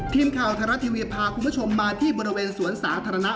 ทีมข่าวไทยรัฐทีวีพาคุณผู้ชมมาที่บริเวณสวนสาธารณะ